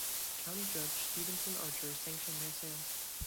County Judge Stevenson Archer sanctioned their sale.